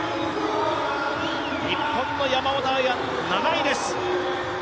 日本の山本亜美は７位です。